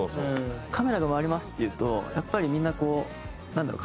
「カメラが回ります」って言うとやっぱりみんなこうなんだろう